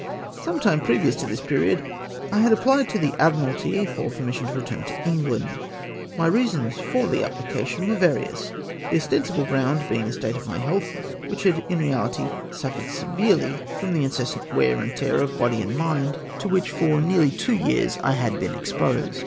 Some time previous to this period I had apphed to the Admkalty for permission to return to England. My reasons for the apphcation were various, the osten sible ground being the state of my health, which had in reahty suffered severely from the incessant wear and tear of body and mind to which for nearly two APPLY FOR LEAVE. S33 years I had been exposed.